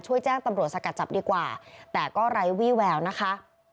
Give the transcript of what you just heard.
แจ้งตำรวจสกัดจับดีกว่าแต่ก็ไร้วี่แววนะคะ